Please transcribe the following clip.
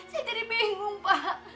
saya jadi bingung pak